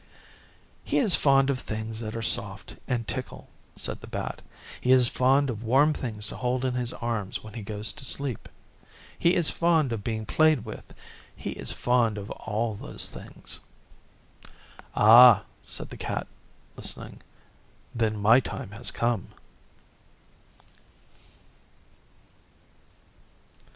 'He is fond of things that are soft and tickle,' said the Bat. 'He is fond of warm things to hold in his arms when he goes to sleep. He is fond of being played with. He is fond of all those things.' 'Ah,' said the Cat, listening, 'then my time has come.